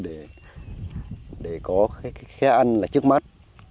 để có cái khé ăn là trước mắt